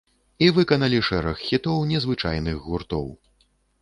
І выканалі шэраг хітоў незвычайных гуртоў.